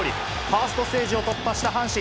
ファーストステージを突破した阪神。